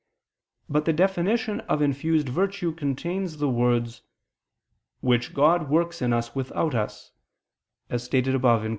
But the definition of infused virtue contains the words, "which God works in us without us," as stated above (Q.